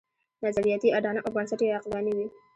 نظریاتي اډانه او بنسټ یې عقلاني وي.